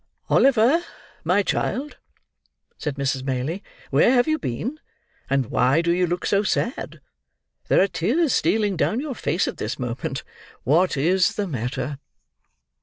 "Oliver, my child," said Mrs. Maylie, "where have you been, and why do you look so sad? There are tears stealing down your face at this moment. What is the matter?"